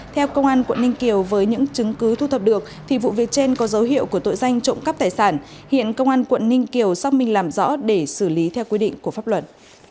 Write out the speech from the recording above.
theo công an quận ninh kiều với những chứng cứ thu thập được thì vụ việc trên có dấu hiệu của tội danh trộm cắp tài sản hiện công an quận ninh kiều xác minh làm rõ để xử lý theo quy định của pháp luật